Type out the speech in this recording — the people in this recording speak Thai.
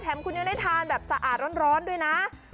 คุณยังได้ทานแบบสะอาดร้อนด้วยนะ